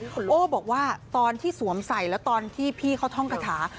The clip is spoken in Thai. คุณโอ้บอกว่าตอนที่สวมใส่แล้วตอนที่พี่เขาท่องกระถา